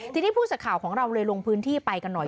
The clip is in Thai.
ทีนี้ผู้สื่อข่าวของเราเลยลงพื้นที่ไปกันหน่อย